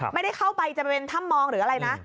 ไม่ได้เข้าไปจะเป็นถ้ำมองหรืออะไรนะ